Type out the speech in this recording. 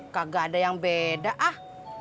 kagak ada yang beda ah